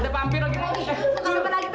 jangan pergi jauh